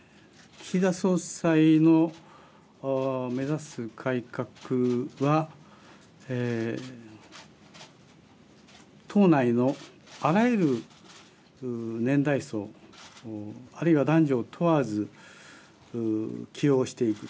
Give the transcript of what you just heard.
岸田総裁の目指す改革は党内のあらゆる年代層あるいは男女を問わず起用していく。